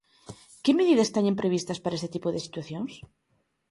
¿Que medidas teñen previstas para este tipo de situacións?